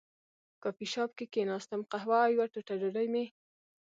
کافي شاپ کې کېناستم، قهوه او یوه ټوټه ډوډۍ مې.